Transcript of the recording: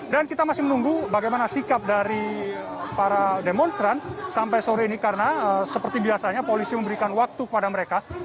dan kita masih menunggu bagaimana sikap dari para demonstran sampai sore ini karena seperti biasanya polisi memberikan waktu kepada mereka sampai pukul tujuh belas